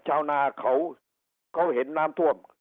ชาวนาเขาเห็นน้ำท่วม